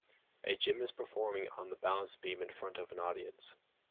A gymnast performing on the balance beam in front of an audience.